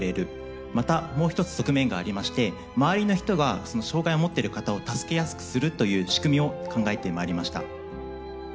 またもう一つ側面がありまして周りの人が障害を持ってる方を助けやすくするという仕組みを考えてまいりました。